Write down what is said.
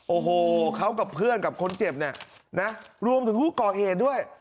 โอ้โหเขากับเพื่อนกับคนเจ็บเนี่ยนะรวมถึงผู้ก่อเหตุด้วย